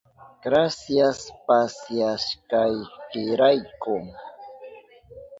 Grasias pasyawashkaykirayku.